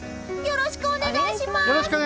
よろしくお願いします！